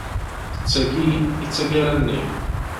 D tagi i d tagara-nni.